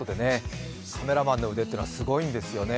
カメラマンの腕というのは、すごいんですよね。